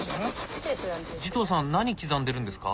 慈瞳さん何刻んでるんですか？